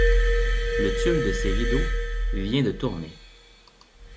Le tulle de ces rideaux vient de Tournay.